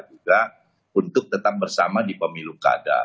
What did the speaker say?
juga untuk tetap bersama di pemilu kada